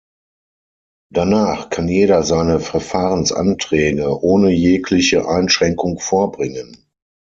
Danach kann jeder seine Verfahrensanträge ohne jegliche Einschränkung vorbringen.